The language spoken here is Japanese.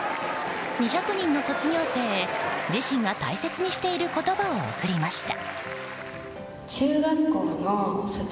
２００人の卒業生へ自身が大切にしている言葉を贈りました。